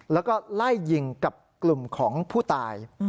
แล้วก็ไล่ยิงกับกลุ่มของผู้ตาย